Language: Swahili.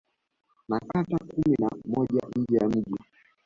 Na kata kumi na moja nje ya mji